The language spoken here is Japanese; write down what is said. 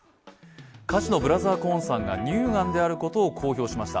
歌手のブラザー・コーンさんが乳がんであることを公表しました。